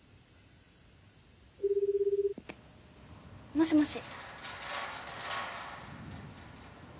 もしもし。